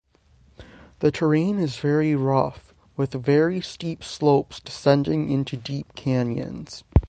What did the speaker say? The terrain is very rough, with very steep slopes descending into deep canyons.